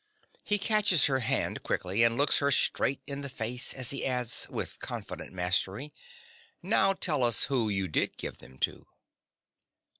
(He catches her hand quickly and looks her straight in the face as he adds, with confident mastery) Now tell us who you did give them to.